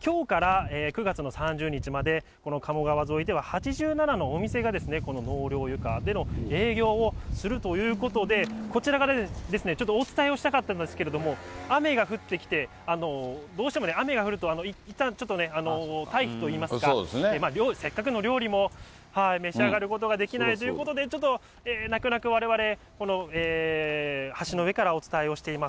きょうから９月の３０日までこの鴨川沿いでは、８７のお店がこの納涼床での営業をするということで、こちらからちょっとお伝えをしたかったんですけども、雨が降ってきて、どうしても雨が降ると、いったん、ちょっとね、待避といいますか、せっかくの料理も召し上がることができないということで、ちょっと、泣く泣くわれわれ、橋の上からお伝えをしています。